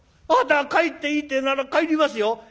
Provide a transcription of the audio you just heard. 「あなたが帰っていいってえなら帰りますよ。